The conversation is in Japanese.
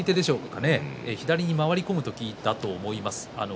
左に回り込む時だと思います。